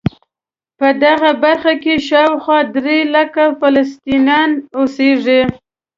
په دغه برخه کې شاوخوا درې لکه فلسطینیان اوسېږي.